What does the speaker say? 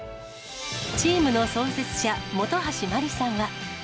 チームの創設者、本橋麻里さんは。